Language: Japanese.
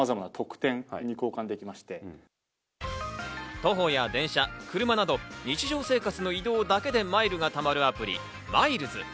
徒歩や電車、車など日常生活の移動だけでマイルがたまるアプリ、Ｍｉｌｅｓ。